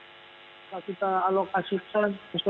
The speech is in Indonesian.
kita akan menjalankan penanganan dbd secara keseluruhan